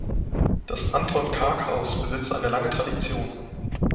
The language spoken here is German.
Das Anton-Karg-Haus besitzt eine lange Tradition.